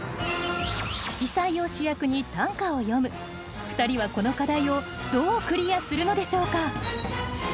色彩を主役に短歌を詠む２人はこの課題をどうクリアするのでしょうか？